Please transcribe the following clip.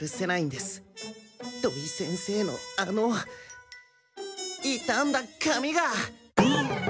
土井先生のあの傷んだ髪が！